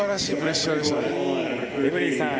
エブリンさん